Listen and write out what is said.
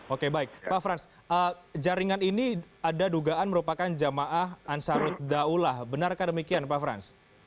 oke baik pak frans jaringan ini ada dugaan merupakan jamaah ansarut daulah benarkah demikian pak frans